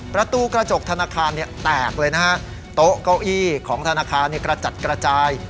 ประตูกระจกธนาคารแตกเลยนะฮะโต๊ะเก้าอี้ของธนาคารกระจัดกระจาย